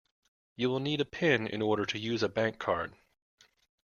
You will need a pin in order to use a bankcard